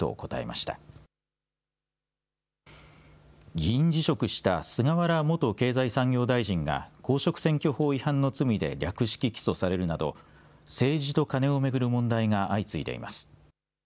議員辞職した菅原元経済産業大臣が、公職選挙法違反の罪で略式起訴されるなど、政治とカネを巡る問題が相次いでいます。